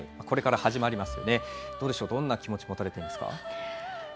これから始まりますがどんな気持ちを持たれていますか。